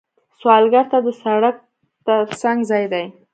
سوالګر ته د سړک تر څنګ ځای دی